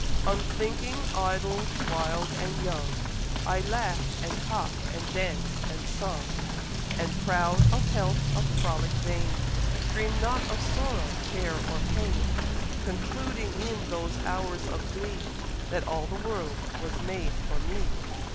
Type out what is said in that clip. Unthinking, idle, wild, and young, I laugh'd, and talk'd, and danc'd, and sung; And proud of health, of frolic vain, Dream'd not of sorrow, care, or pain, Concluding in those hours of glee, That all the world was made for me.